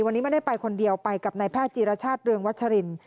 วันนี้ไม่ได้ไปคนเดียวไปกับนายแพทย์จีรชาติเรืองวัชริน